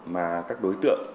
mà các đối tượng